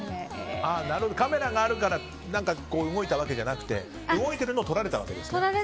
カメラがあるから動いたわけじゃなくて動いてるのを撮られたわけですね。